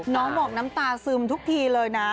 น้องบอกน้ำตาซึมทุกทีเลยนะ